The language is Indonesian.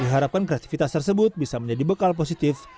diharapkan kreativitas tersebut bisa menjadi bekal positif